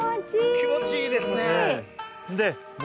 気持ちいいですね！